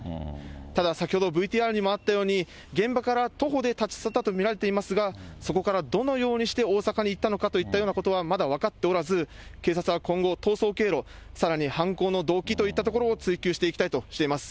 ただ、先ほどＶＴＲにもあったように、現場から徒歩で立ち去ったと見られていますが、そこからどのようにして大阪に行ったのかといったようなことはまだ分かっておらず、警察は今後、逃走経路、さらに犯行の動機といったところを追及していきたいとしています。